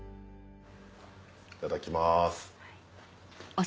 いただきます。